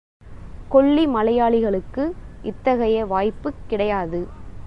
கொல்லி மலையாளிகளுக்கு இத்தகைய வாய்ப்புக் கிடையாது.